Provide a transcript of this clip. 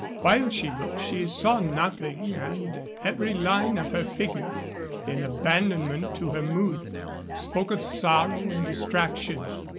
While she looked she saw nothing, and every line of her figure, in abandonment to her mood, spoke of sorrow and distraction.